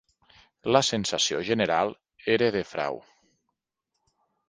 La sensació general era de frau.